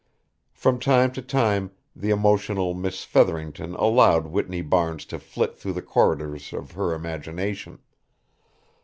From time to time the emotional Miss Featherington allowed Whitney Barnes to flit through the corridors of her imagination.